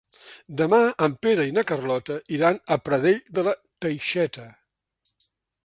Demà en Pere i na Carlota iran a Pradell de la Teixeta.